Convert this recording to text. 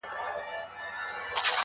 ورته وگورې په مــــــيـــنـــه,